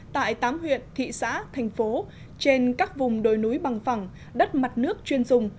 tại tám huyện thị xã thành phố trên các vùng đồi núi bằng phẳng đất mặt nước chuyên dùng